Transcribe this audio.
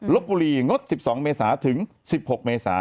บุรีงด๑๒เมษาถึง๑๖เมษา